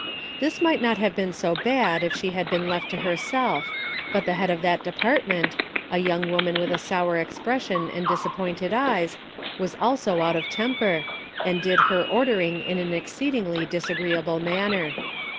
Thi, might not have been so bad if she kad beei left to herself, but the head of that depart ment, a young woman with a sour expressioi and disappointed eyes, was also out of tempei and did her ordering in an exceedingly disj greeable manner.